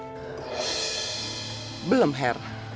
udah punya lak berapa